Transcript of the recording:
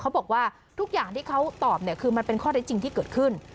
เขาบอกว่าทุกอย่างที่เขาตอบเนี่ยคือมันเป็นข้อได้จริงที่เกิดขึ้น